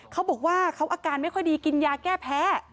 เขาบอกว่าเขาอาการไม่ค่อยดีกินยาแก้แพ้